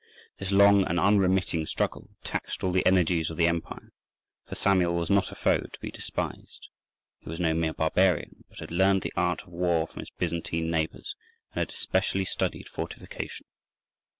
This long and unremitting struggle taxed all the energies of the empire, for Samuel was not a foe to be despised; he was no mere barbarian, but had learnt the art of war from his Byzantine neighbours, and had specially studied fortification.